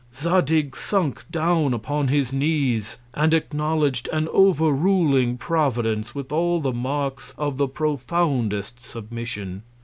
Zadig sunk down upon his Knees, and acknowledg'd an over ruling Providence with all the Marks of the profoundest Submission.